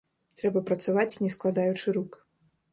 Трэба працаваць, не складаючы рук.